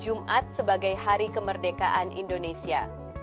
jumat sebagai hari kemerdekaan indonesia